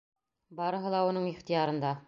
Барыһы ла уның ихтыярында.